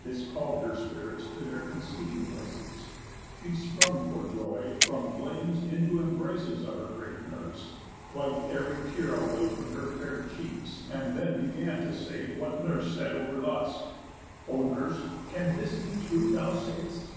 This call'd her spirits to their conceiving places; She sprung for joy from blames into embraces Of her grave nurse, wip'd ev'ry tear away From her fair cheeks, and then began to say What nurse said over thus: "O nurse, can this Be true thou say'st?